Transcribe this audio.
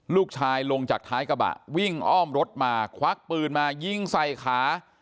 ลูกชายลงจากท้ายกระบะวิ่งอ้อมรถมาควักปืนมายิงใส่ขา